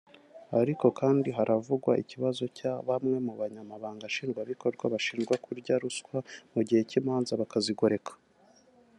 Ariko kandi haravugwa ikibazo cya bamwe mu banyamabanga nshingwabikorwa bashinjwa kurya ruswa mu gihe cy’imanza maze bakazigoreka